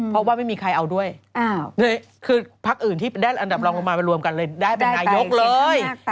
เพราะว่าไม่มีใครเอาด้วยคือพักอื่นที่ได้อันดับรองลงมามารวมกันเลยได้เป็นนายกเลย